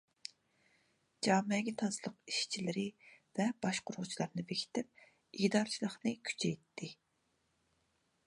جامەگە تازىلىق ئىشچىلىرى ۋە باشقۇرغۇچىلارنى بېكىتىپ، ئىگىدارچىلىقنى كۈچەيتتى.